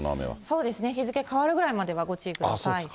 そうですね、日付変わるぐらいまではご注意ください。